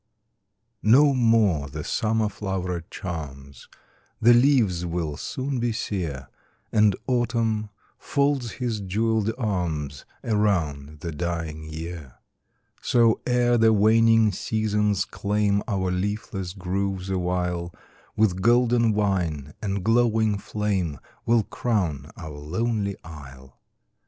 No more the summer floweret charms, The leaves will soon be sere, And Autumn folds his jewelled arms Around the dying year; So, ere the waning seasons claim Our leafless groves awhile, With golden wine and glowing flame We 'll crown our lonely isle.